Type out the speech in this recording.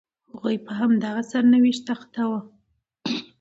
هغوی په همدغه سرنوشت اخته وو.